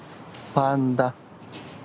パンダ。